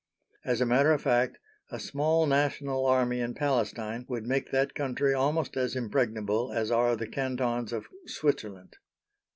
As a matter of fact, a small national army in Palestine would make that country almost as impregnable as are the Cantons of Switzerland.